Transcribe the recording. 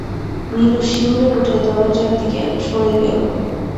নীলু শিউরে উঠে দরজার দিকে সরে গেল।